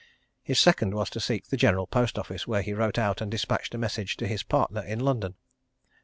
His second was to seek the General Post Office, where he wrote out and dispatched a message to his partner in London.